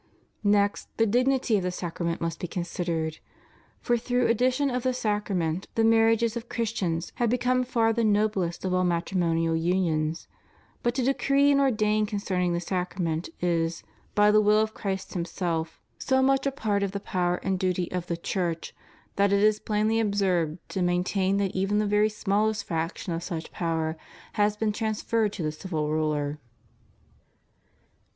Next, the dignity of the sacrament must be considered ; for through addition of the sacrament the marriages of Christians have become far the noblest of all matrimonial unions. But to decree and ordain concerning the sacra ment is, by the will of Christ Himself, so much a part of Apud fideles et ipfideles existere sacramentum conjugii CHRISTIAN MARRIAGE. 69 the power and duty of the Church, that it is plainly absurd to maintain that even the very smallest fraction of such power has been transferred to the civil ruler.